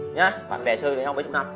nha bạn vẻ chơi với nhau mấy chục năm